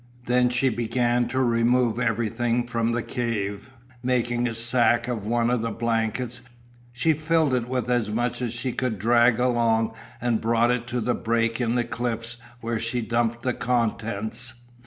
Then she began to remove everything from the cave. Making a sack of one of the blankets, she filled it with as much as she could drag along and brought it to the break in the cliffs where she dumped the contents.